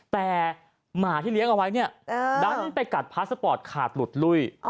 แต่หมาที่เลี้ยงเอาไว้เนี่ยดันไปกัดพาสปอร์ตขาดหลุดลุ้ย